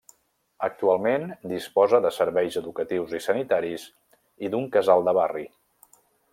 Actualment disposa de serveis educatius i sanitaris i d'un casal de barri.